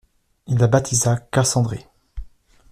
Il la baptisa Cassandrée.